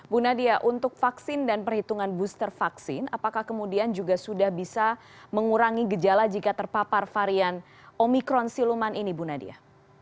bu nadia untuk vaksin dan perhitungan booster vaksin apakah kemudian juga sudah bisa mengurangi gejala jika terpapar varian omikron siluman ini bu nadia